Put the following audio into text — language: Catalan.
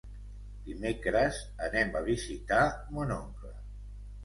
Dimecres anem a visitar mon oncle.